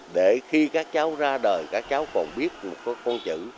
để khi các cháu ra đời các cháu còn biết một con chữ